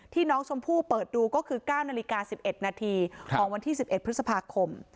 น้องชมพู่เปิดดูก็คือ๙นาฬิกา๑๑นาทีของวันที่๑๑พฤษภาคม